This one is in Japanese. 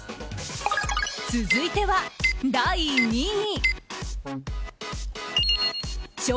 続いては、第２位。